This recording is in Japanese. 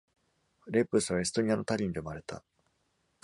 レップスはエストニアのタリンで生まれた。